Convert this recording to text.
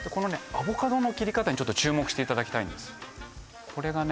アボカドの切り方にちょっと注目していただきたいんですこれがね